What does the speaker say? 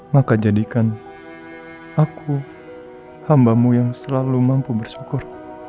maka jadikan aku hambamu yang selalu mampu bersyukur